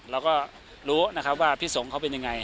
เราก็รู้นะครับว่าพี่สงฆ์เขาเป็นยังไง